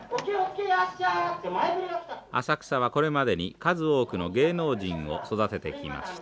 浅草はこれまでに数多くの芸能人を育ててきました。